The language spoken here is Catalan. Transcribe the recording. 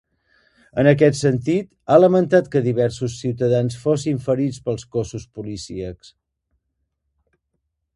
En aquest sentit, ha lamentat que diversos ciutadans fossin ferits pels cossos policíacs.